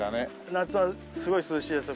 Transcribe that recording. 夏はすごい涼しいですよ